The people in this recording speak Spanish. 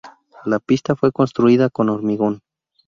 La pista fue construida con hormigón.